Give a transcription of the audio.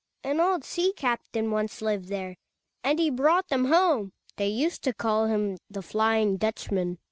An old sea captain once lived here, and he brought them home. They used to call him The Flying Dutchman."